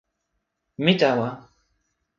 mi tawa.